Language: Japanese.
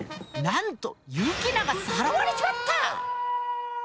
なんとユキナがさらわれちまった！